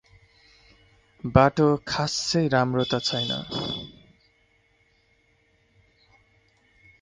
बाटो खास्सै राम्रो त् छैन ।